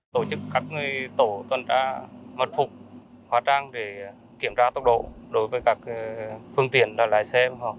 tổ chức các tổ tuần tra mật phục hóa trang để kiểm tra tốc độ đối với các phương tiện là lái xe